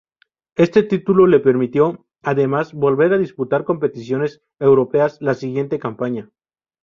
Este título le permitió, además, volver disputar competiciones europeas la siguiente campaña.